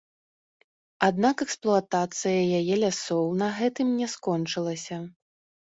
Аднак эксплуатацыя яе лясоў на гэтым не скончылася.